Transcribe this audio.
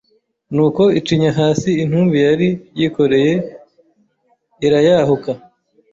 Nuko icinya hasi intumbi yari yikoreye irayahuka